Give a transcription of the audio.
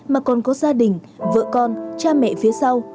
mà còn có gia đình vợ con cha mẹ phía sau